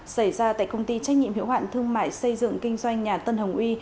xảy ra tại công ty trách nhiệm hiệu hạn thương mại xây dựng kinh doanh nhà tân hồng uy